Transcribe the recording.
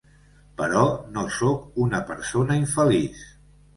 Però no sóc una persona infeliç.